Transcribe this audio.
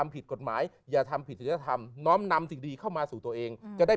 พีธกฎหมายอย่าทำผิดเลยทำน้ำถึงดีเข้ามาสู่ตัวเองจะได้